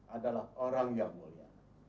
adalah orang yang mulia